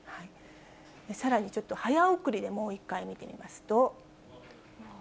さらにちょっと早送りでもう１回見てみますと。